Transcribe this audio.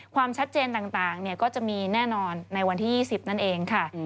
ความชัดเจนต่างก็จะมีแน่นอนในวันที่๒๐นั่นเองค่ะ